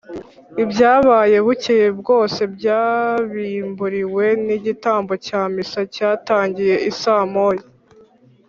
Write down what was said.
ibyabaye bukeye byose, byabimburiwe n’igitambo cya missa cyatangiye i saa moya,